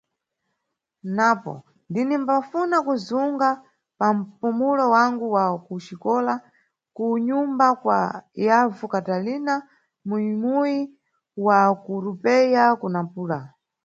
Napo, ndinimbafuna kuzunga pa mpumulo wangu wa ku xikola ku nyumba kwa yavu Katalina, mu muyi wa Currupeia ku Nampula.